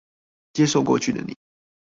接受過去的你